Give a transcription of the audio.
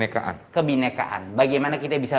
kebinekaan bagaimana kita bisa